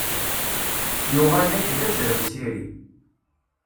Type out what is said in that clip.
Yuɣal-ak, d azrem s iri.